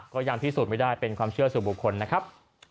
ก็ยังพิสูจน์ไม่ได้เป็นความเชื่อสู่บุคคลนะครับ